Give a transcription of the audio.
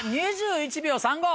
２１秒３５。